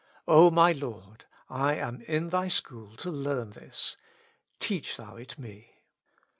O my Lord ! I am in Thy school to learn this : teach Thou it me.